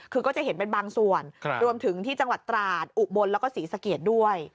คือก็จะเห็นเป็นบางส่วนรวมถึงที่จังหวัดตราดอุบลแล้วก็ศรีสะเกดด้วย